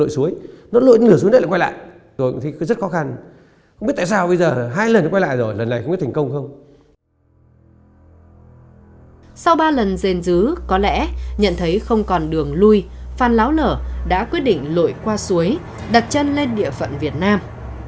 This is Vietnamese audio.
sau ba lần rèn giữ có lẽ nhận thấy không còn đường lui phan láo nở đã quyết định lội qua suối đặt chân lên địa phận việt nam